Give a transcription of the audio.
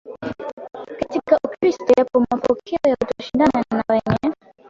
katika Ukristo yapo mapokeo ya kutoshindana na wenye